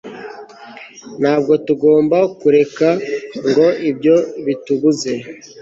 ntabwo tugomba kureka ngo ibyo bitubuze